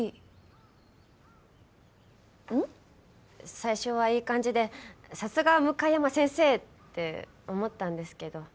最初はいい感じでさすが向山先生！って思ったんですけど。